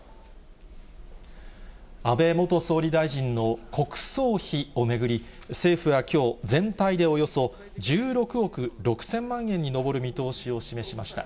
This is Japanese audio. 安倍元総理大臣の国葬費を巡り、政府はきょう、全体でおよそ１６億６０００万円に上る見通しを示しました。